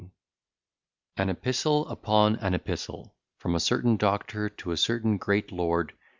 _] AN EPISTLE UPON AN EPISTLE FROM A CERTAIN DOCTOR TO A CERTAIN GREAT LORD.